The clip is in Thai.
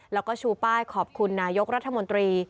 แล้วก็ชูป้ายขอบคุณนายกรัฐมนตรี